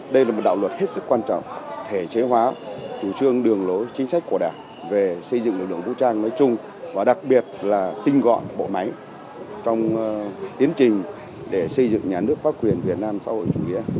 đây là một đạo luật hết sức quan trọng thể chế hóa chủ trương đường lối chính sách của đảng về xây dựng lực lượng vũ trang nói chung và đặc biệt là tinh gọn bộ máy trong tiến trình để xây dựng nhà nước pháp quyền việt nam xã hội chủ nghĩa